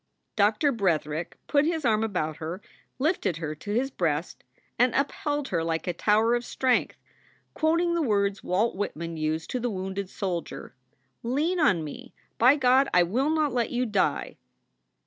Doctor Bretherick put his arm about her, lifted her to his breast, and upheld her like a tower of strength, quoting the words Walt Whitman used to the wounded soldier: "Lean on me! By God, I will not let you die."